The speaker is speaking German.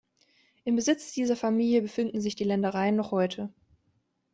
Im Besitz dieser Familie befinden sich die Ländereien noch heute.